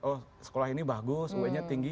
oh sekolah ini bagus un nya tinggi